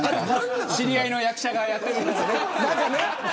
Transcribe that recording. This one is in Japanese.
知り合いの役者がやってるやつね。